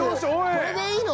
これでいいの？